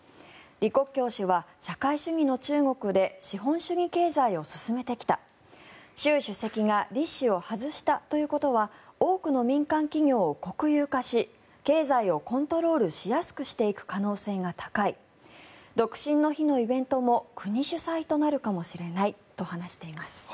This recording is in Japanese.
李克強氏は社会主義の中国で資本主義経済を進めてきた習主席が李氏を外したということは多くの民間企業を国有化し経済をコントロールしやすくしていく可能性が高い独身の日のイベントも国主催となるかもしれないと話しています。